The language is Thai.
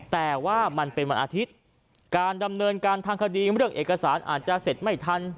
แต่ว่ามันเป็นวันอาทิตย์การดำเนินการทางคดีเรื่องเอกสารอาจจะเสร็จไม่ทัน